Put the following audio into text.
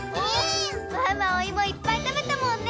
ワンワンおいもいっぱいたべたもんね。